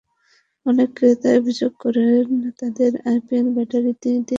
অনেক ক্রেতাই অভিযোগ করেন, তাঁদের আইপিএসের ব্যাটারি দু-তিন মাসেই অকেজো হয়ে পড়ে।